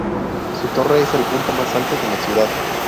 Su torre es el punto más alto de la ciudad.